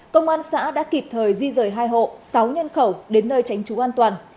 công an xã đã kịp thời di rời hai hộ sáu nhân khẩu đến nơi tránh trú an toàn